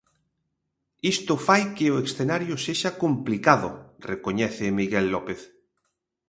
"Isto fai que o escenario sexa complicado", recoñece Miguel López.